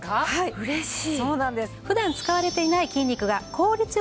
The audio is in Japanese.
うれしい。